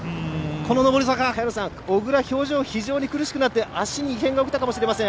この上り坂小椋、表情が非常に苦しくなって足に異変が起きたかもしれません。